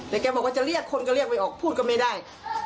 แต่แกบอกว่าจะเรียกคนก็เรียกไปออกพูดก็ไม่ได้